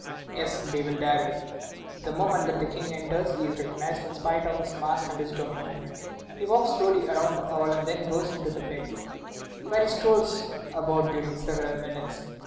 Yes, they will dare it. The moment that the King enters he is recognized in spite of his mask and his domino. He walks slowly around the hall, and then goes into the pit, where he strolls about during several minutes.